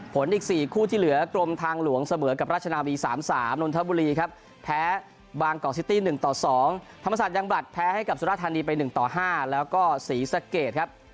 อีก๔คู่ที่เหลือกรมทางหลวงเสมอกับราชนาวี๓๓นนทบุรีครับแพ้บางกอกซิตี้๑ต่อ๒ธรรมศาสตร์ยังบลัดแพ้ให้กับสุรธานีไป๑ต่อ๕แล้วก็ศรีสะเกดครับ